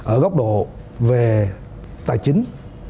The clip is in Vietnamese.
ở góc độ về tài chính